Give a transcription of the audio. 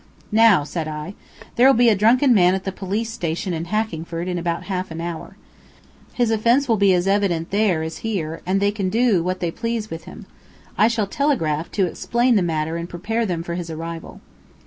"Now," said I, "there'll be a drunken man at the police station in Hackingford in about half an hour. His offense will be as evident there as here, and they can do what they please with him. I shall telegraph, to explain the matter and prepare them for his arrival."